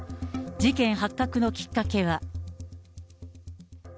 事件発覚のきっかけは。